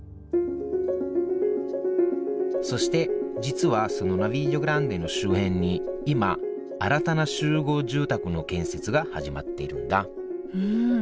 そして実はそのナヴィリオ・グランデの周辺に今新たな集合住宅の建設が始まっているんだうん